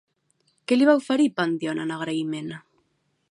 Què li va oferir Pandíon en agraïment?